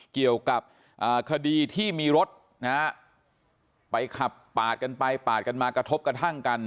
เกี่ยวกับคดีที่มีรถนะฮะไปขับปาดกันไปปาดกันมากระทบกระทั่งกัน